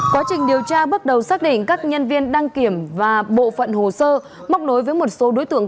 quá trình điều tra bước đầu xác định các nhân viên đăng kiểm và bộ phận hồ sơ móc nối với một số đối tượng